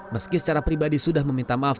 meski secara pribadi sudah meminta maaf